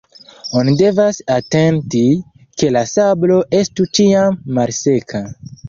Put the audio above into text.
Oni devas atenti, ke la sablo estu ĉiam malseka.